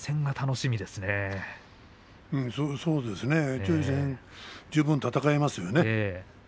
そうですね上位戦、十分戦えますよね。